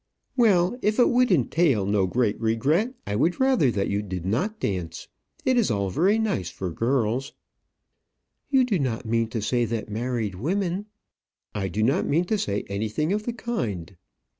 "Well, if it would entail no great regret, I would rather that you did not dance. It is all very nice for girls." "You do not mean to say that married women " "I do not mean to say anything of the kind.